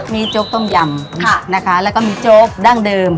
มีโจ๊กต้มยำนะคะแล้วก็มีโจ๊กดั้งเดิม